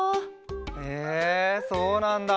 へえそうなんだ。